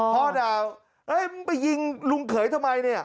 พ่อด่าไปยิงลุงเขยทำไมเนี่ย